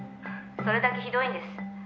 それだけひどいんです」